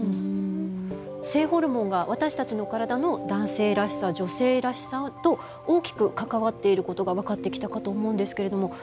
性ホルモンが私たちの体の男性らしさ女性らしさと大きく関わっていることが分かってきたかと思うんですけれども。